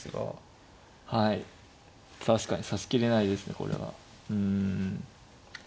確かに指しきれないですねこれは。うん。